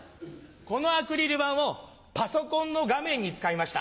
このアクリル板をパソコンの画面に使いました。